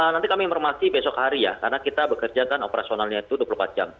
nanti kami informasi besok hari ya karena kita bekerja kan operasionalnya itu dua puluh empat jam